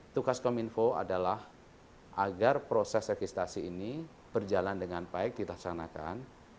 tukas kominfo adalah agar proses rekistasi ini berjalan dengan baik ditaksanakan